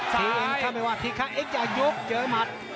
ทีข้างไปว่าทีข้างเอ็กซ์อย่ายกเจอหมัด